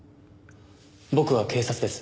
僕は警察です。